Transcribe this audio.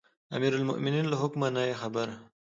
امیرالمؤمنین له حکمه نه یې خبره.